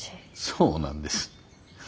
そうなんです。